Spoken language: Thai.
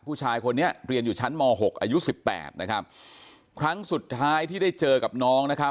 ผู้ชายคนนี้เรียนอยู่ชั้นม๖อายุ๑๘ครั้งสุดท้ายที่ได้เจอกับน้อง